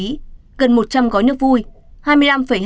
gần một trăm linh gói nước vui